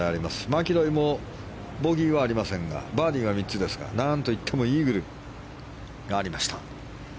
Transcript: マキロイもボギーはありませんがバーディーは３つですが何といってもイーグルがありました。